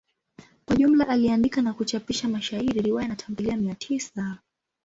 Kwa jumla aliandika na kuchapisha mashairi, riwaya na tamthilia mia tisa.